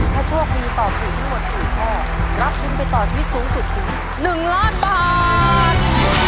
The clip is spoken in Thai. ถ้าโชคดีตอบถูกทั้งหมด๔ข้อรับทุนไปต่อชีวิตสูงสุดถึง๑ล้านบาท